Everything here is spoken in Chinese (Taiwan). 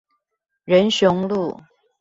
仁雄路